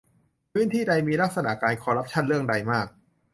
พื้นที่ใดมีลักษณะการคอร์รัปชั่นเรื่องใดมาก